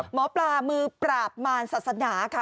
หมอปลามือปราบมารศาสนาค่ะ